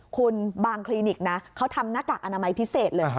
คุณบางคลินิกนะเขาทำหน้ากากอนามัยพิเศษเลย